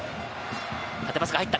縦パスが入った。